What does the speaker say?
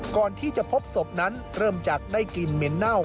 ก่อนที่จะพบศพนั้นเริ่มจากได้กลิ่นเหม็นเน่า